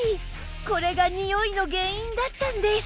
これがニオイの原因だったんです